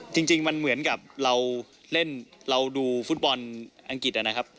จริงมันเหมือนกับเราเล่นเราดูฟุตบอลอังกฤษนะครับ